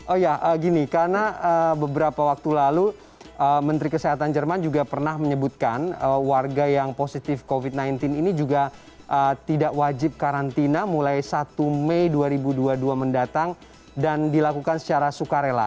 oh ya gini karena beberapa waktu lalu menteri kesehatan jerman juga pernah menyebutkan warga yang positif covid sembilan belas ini juga tidak wajib karantina mulai satu mei dua ribu dua puluh dua mendatang dan dilakukan secara sukarela